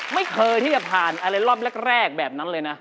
ไม่เคยที่จะผ่านอะไรรอบแรกแบบนั้นเลยนะ